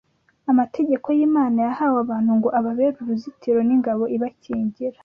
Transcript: amategeko y’Imana yahawe abantu ngo ababere uruzitiro n’ingabo ibakingira